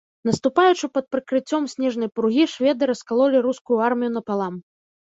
Наступаючы пад прыкрыццём снежнай пургі, шведы раскалолі рускую армію напалам.